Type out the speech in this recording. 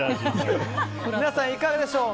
皆さんいかがでしょう。